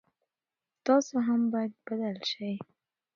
تاسو هم باید بدل شئ.